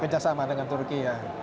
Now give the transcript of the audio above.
kerjasama dengan turki ya